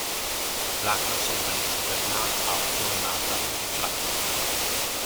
Vlákna jsou velice pevná a odolná tahu i tlaku.